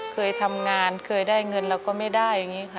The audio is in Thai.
เคยทำงานเคยได้เงินเราก็ไม่ได้อย่างนี้ค่ะ